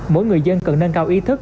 mỗi người dân cần nâng cao ý thức